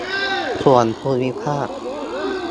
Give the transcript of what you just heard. ส่วนภูมิภาค